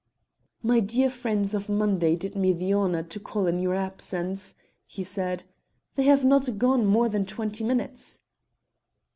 "My dear friends of Monday did me the honour to call in your absence," he said. "They have not gone more than twenty minutes."